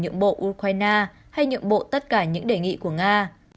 nó không có nghĩa là nhượng bộ ukraine hay nhượng bộ tất cả những đề nghị của nga